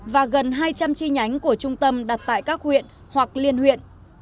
và gần hai trăm linh chi nhánh của trung tâm đặt tại các huyện hoặc liên huyện